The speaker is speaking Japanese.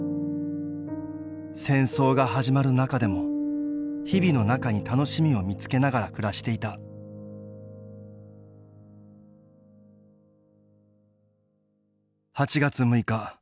戦争が始まる中でも日々の中に楽しみを見つけながら暮らしていた８月６日。